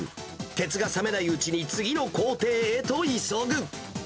鉄が冷めないうちに次の工程へと急ぐ。